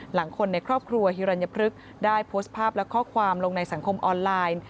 หลังคนในครอบครัวฮิรัญพฤกษ์ได้โพสต์ภาพและข้อความลงในสังคมออนไลน์